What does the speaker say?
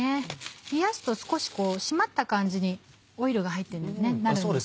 冷やすと少しこう締まった感じにオイルが入ってるんでなるんです。